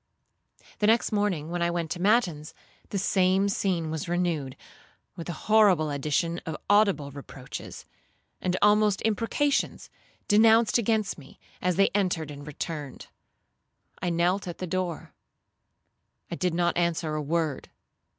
'The next morning, when I went to matins, the same scene was renewed, with the horrible addition of audible reproaches, and almost imprecations, denounced against me, as they entered and returned. I knelt at the door. I did not answer a word.